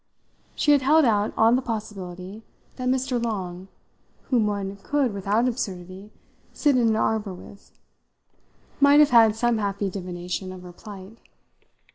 She had held out on the possibility that Mr. Long whom one could without absurdity sit in an arbour with might have had some happy divination of her plight.